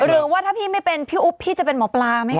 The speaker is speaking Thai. หรือว่าถ้าพี่ไม่เป็นพี่อุ๊บพี่จะเป็นหมอปลาไหมคะ